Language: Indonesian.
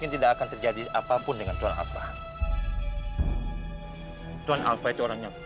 tuan alva itu orang yang kuat